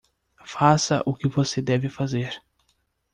Faça o que você deve fazer